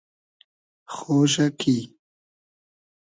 خۉشۂ کی